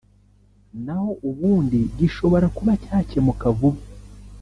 na ho ubundi gishobora kuba cyakemuka vuba